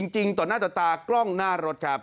จริงต่อหน้าต่อตากล้องหน้ารถครับ